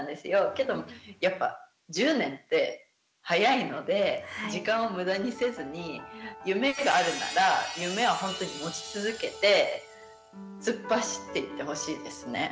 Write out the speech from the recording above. けどやっぱ１０年って早いので時間を無駄にせずに夢があるなら夢は本当に持ち続けて突っ走っていってほしいですね。